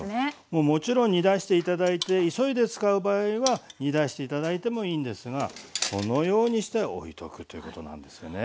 もうもちろん煮出して頂いて急いで使う場合は煮出して頂いてもいいんですがこのようにしておいとくということなんですよね。